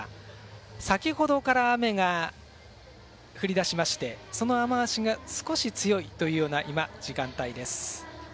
先ほどから雨が降りだしましてその雨足が少し強いというような今、時間帯です。